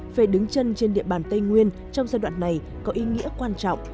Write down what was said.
về đứng chân trên địa bàn tây nguyên trong giai đoạn này có ý nghĩa quan trọng